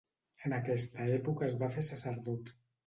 En aquesta època es va fer sacerdot.